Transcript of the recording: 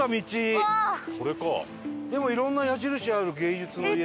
でもいろんな矢印ある「芸術の家」とか。